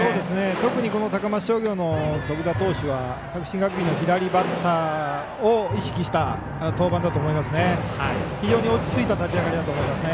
特に高松商業の徳田投手は作新学院の左バッターを意識した登板だと思いますね。